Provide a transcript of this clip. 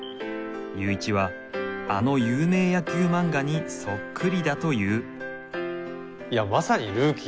ユーイチはあの有名野球漫画にそっくりだと言う。